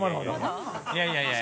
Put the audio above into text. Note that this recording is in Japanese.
◆いやいや、いや。